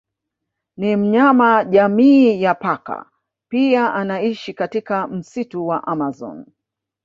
Ni mnyama jamii ya paka pia anaishi katika msitu wa amazon